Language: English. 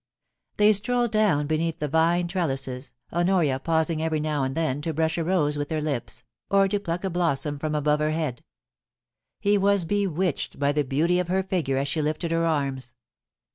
They strolled down beneath the vine trellises, Honoria pausing every now and then to brush a rose with her lips, or to pluck a blossom from above her head He was bewitched by the beauty of her figure as she lifted her arms.